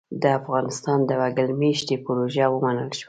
د افغانستان د وګړ مېشتۍ پروژه ومنل شوه.